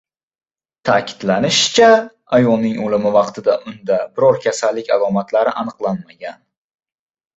Ta’kidlanishicha, ayolning o‘limi vaqtida unda biror kasallik alomatlari aniqlanmagan